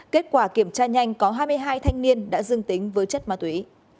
kết quả kiểm tra nhanh có hai mươi hai thanh niên đã dưng tính với chất ma túy